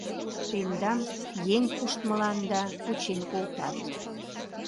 Тендам еҥ пуштмыланда кучен колтат.